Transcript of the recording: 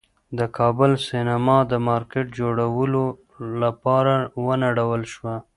د کابل سینما د مارکېټ جوړولو لپاره ونړول شوه.